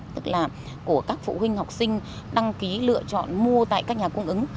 tức là của các phụ huynh học sinh đăng ký lựa chọn mua tại các nhà cung ứng